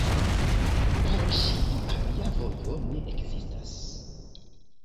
Por ŝi alia vojo ne ekzistas.